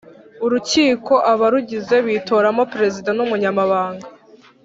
Ururkiko abarugize bitoramo Perezida n Umunyamabanga